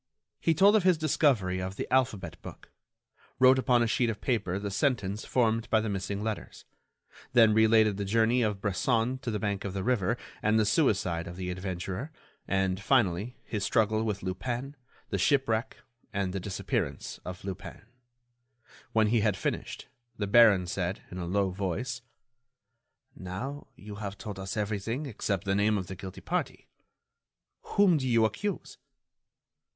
He told of his discovery of the alphabet book, wrote upon a sheet of paper the sentence formed by the missing letters, then related the journey of Bresson to the bank of the river and the suicide of the adventurer, and, finally, his struggle with Lupin, the shipwreck, and the disappearance of Lupin. When he had finished, the baron said, in a low voice: "Now, you have told us everything except the name of the guilty party. Whom do you accuse?"